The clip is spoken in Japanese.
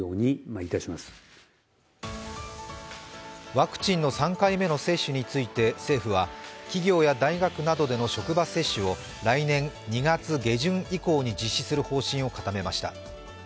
ワクチンの３回目の接種について政府は企業や大学などでの職場接種を来年２月下旬以降に実施する方針を固めました。